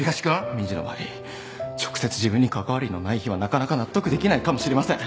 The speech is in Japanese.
民事の場合直接自分に関わりのない非はなかなか納得できないかもしれません。